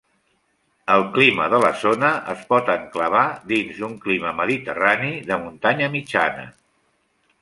El clima de la zona es pot enclavar dins d'un clima mediterrani de muntanya mitjana.